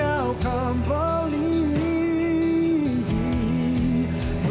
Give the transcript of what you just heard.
aku akan mencari penyembuhanmu